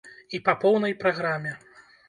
І па поўнай праграме!